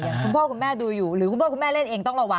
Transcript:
คุณพ่อคุณแม่ดูอยู่หรือคุณพ่อคุณแม่เล่นเอง